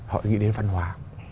họ nghĩ đến văn hóa